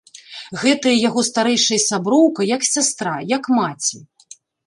Гэтая яго старэйшая сяброўка, як сястра, як маці!